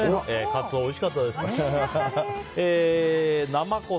カツオおいしかったです。